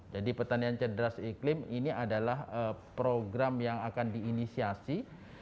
jadi pertanian cerdas iklim ini adalah program yang akan diinisiasi